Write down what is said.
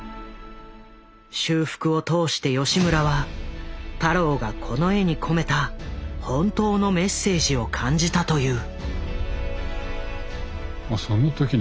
修復を通して吉村は太郎がこの絵に込めた本当のメッセージを感じたという。